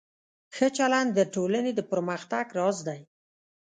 ښه چلند د ټولنې د پرمختګ راز دی.